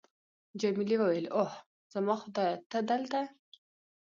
جميلې وويل:: اوه، زما خدایه، ته دلته!